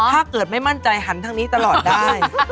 ถ้าเกิดไม่มั่นใจหันทางนี้ตลอดได้